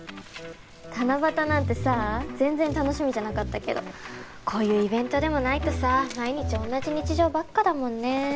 七夕なんてさ全然楽しみじゃなかったけどこういうイベントでもないとさ毎日同じ日常ばっかだもんね。